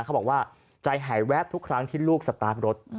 เขาบอกว่าใจหายแวบทุกครั้งที่ลูกสตาร์ทรถ